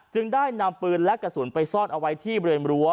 จึงได้นำปืนและกระสุนไปซอดเอาไว้ที่เบือนรัว